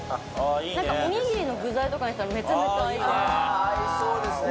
いいねおにぎりの具材とかにしたらめちゃめちゃ合いそう合いそうですね